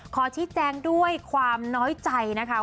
ขอชี้แจงด้วยความน้อยใจนะคะ